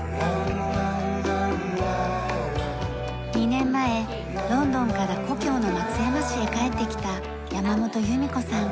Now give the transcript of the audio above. ２年前ロンドンから故郷の松山市へ帰ってきた山本裕美子さん。